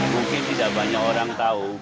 mungkin tidak banyak orang tahu